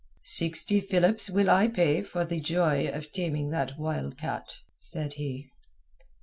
"Sixty Philips will I pay for the joy of taming that wild cat," said he.